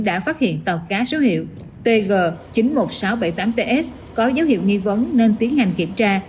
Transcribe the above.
đã phát hiện tàu cá số hiệu tg chín mươi một nghìn sáu trăm bảy mươi tám ts có dấu hiệu nghi vấn nên tiến hành kiểm tra